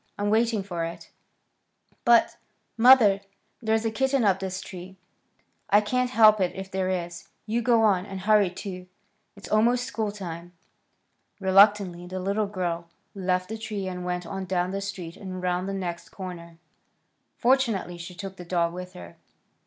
I'm waiting for it." "But, mother, there's a kitten up this tree." "I can't help it if there is. You go on, and hurry, too. It's almost school time." Reluctantly the little girl left the tree and went on down the street and around the next corner. Fortunately she took the dog with her.